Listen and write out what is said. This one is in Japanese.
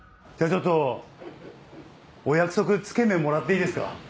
ちょっとお約束つけ麺もらっていいですか？